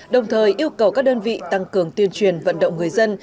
đồng thời yêu cầu các đơn vị tăng cường tuyên truyền vận động người dân